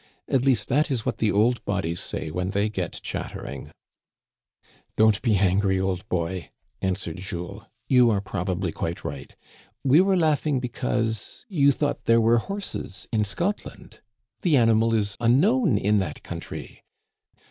At least that is what the old bodies say when they get chatter mg. "Don't be angry, old boy," answered Jules, "you are probably quite right. We were laughing because you thought there were horses in Scotland. The ani mal is unknown in that country."